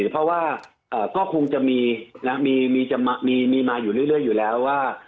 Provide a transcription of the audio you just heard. เพราะว่าก็คงจะมีมาอยู่เรื่อยอยู่แล้วว่า